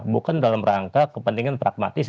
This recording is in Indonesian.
bukan dalam rangka kepentingan pragmatis